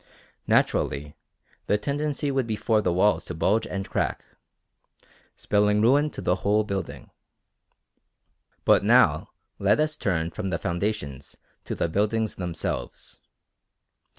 Naturally the tendency would be for the walls to bulge and crack, spelling ruin to the whole building. But now let us turn from the foundations to the buildings themselves.